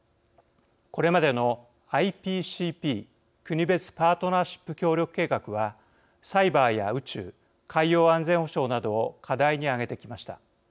これまでのＩＰＣＰ＝国別パートナーシップ協力計画はサイバーや宇宙海洋安全保障などを課題に挙げてきました。